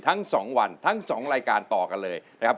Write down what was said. ทั้ง๒วันทั้ง๒รายการต่อกันเลยนะครับ